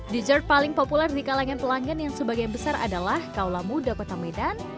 dessert paling populer di kalangan pelanggan yang sebagian besar adalah kaula muda kota medan